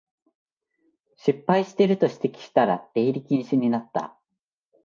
失敗してると指摘したら出入り禁止になった